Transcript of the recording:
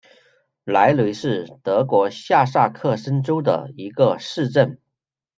莱雷是德国下萨克森州的一个市镇。